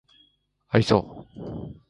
愛想